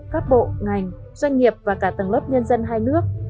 các bộ ngành doanh nghiệp và cả tầng lớp nhân dân hai nước